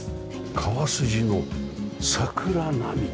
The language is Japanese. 川筋の桜並木。